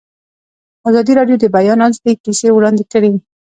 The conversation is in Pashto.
ازادي راډیو د د بیان آزادي کیسې وړاندې کړي.